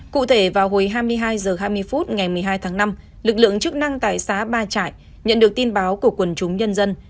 cụ thể vào hồi hai mươi hai h hai mươi phút ngày một mươi hai tháng năm lực lượng chức năng tại xã ba trại nhận được tin báo của quần chúng nhân dân